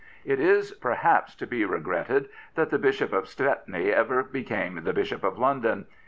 " It is perhaps to be regretted that the Bishop of Stepney ever became the Bishop of London.